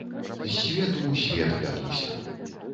З свету ў свет плятуся.